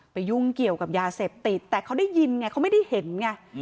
ยุ่งเกี่ยวกับยาเสพติดแต่เขาได้ยินไงเขาไม่ได้เห็นไง